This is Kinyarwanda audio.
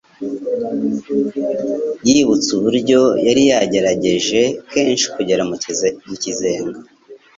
Yibutse uburyo yari yaragerageje kenshi kugera mu kizenga,